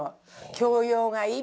教養がいっぱい。